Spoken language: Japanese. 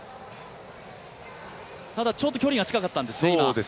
ただ、ちょっと距離が近かったんですね。